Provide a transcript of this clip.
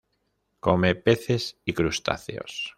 Come peces y crustáceos.